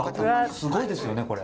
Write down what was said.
すごいですよねこれ。